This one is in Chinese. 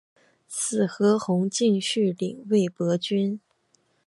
子何弘敬续领魏博军。